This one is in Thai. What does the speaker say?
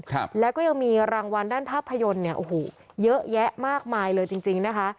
ครับแล้วก็ยังมีรางวัลด้านภาพยนตร์เนี่ยโอ้โหเยอะแยะมากมายเลยจริงจริงนะคะ